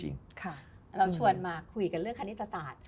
เราชวนมาคุยกันเรื่องคณิตศาสตร์